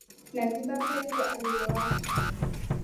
Naziba pengo alilowacha